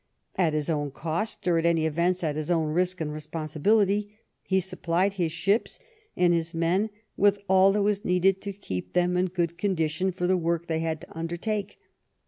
At his own cost, or at all events at his own risk and responsibility, he supplied his ships and his men with all that was needed to keep them in good con dition for the work they had to undertake.